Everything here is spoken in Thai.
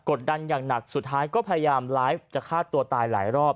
ดันอย่างหนักสุดท้ายก็พยายามไลฟ์จะฆ่าตัวตายหลายรอบ